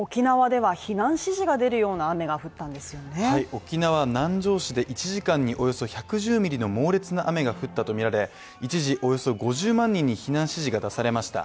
沖縄・南城市で１時間におよそ１１０ミリの猛烈な雨が降ったとみられ一時、およそ５０万人に避難指示が出されました。